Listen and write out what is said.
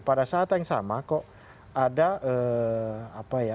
pada saat yang sama kok ada apa ya